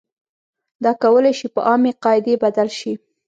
دا کولای شي په عامې قاعدې بدل شي.